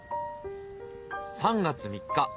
３月３日。